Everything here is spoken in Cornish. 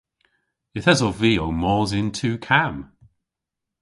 Yth esov vy ow mos yn tu kamm.